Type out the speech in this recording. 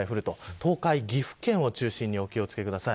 東海は岐阜県を中心にお気を付けください。